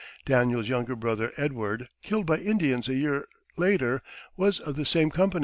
Daniel's younger brother Edward, killed by Indians a year later, was of the same company.